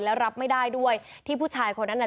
แล้วรับไม่ได้ด้วยที่ผู้ชายคนนั้นน่ะ